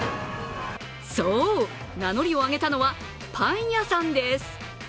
そう、名乗りを上げたのはパン屋さんです。